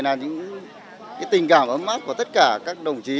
là những tình cảm ấm áp của tất cả các đồng chí